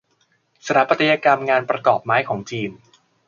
สถาปัตยกรรมงานประกบไม้ของจีน